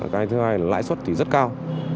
cái thứ hai là lãi suất thì rất cao